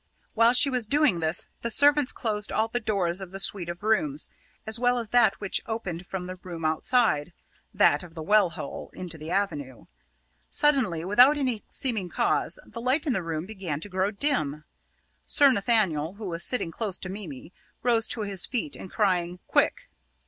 While she was doing this, the servants closed all the doors of the suite of rooms, as well as that which opened from the room outside that of the well hole into the avenue. Suddenly, without any seeming cause, the light in the room began to grow dim. Sir Nathaniel, who was sitting close to Mimi, rose to his feet, and, crying, "Quick!"